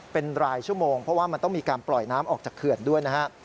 เป็นรายชั่วโมงเพราะว่ามันต้องมีการปล่อยน้ำออกจากเขื่อนด้วยนะฮะ